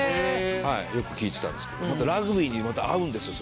よく聴いてたんですけどラグビーにまた合うんですよ